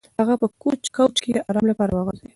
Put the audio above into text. هغه په کوچ کې د ارام لپاره وغځېد.